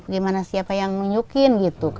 gimana siapa yang nunjukin